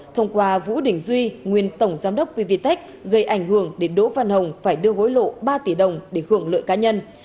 thông qua vũ đình duy nguyên tổng giám đốc pvtec gây ảnh hưởng để đỗ văn hồng phải đưa hối lộ ba tỷ đồng để hưởng lợi cá nhân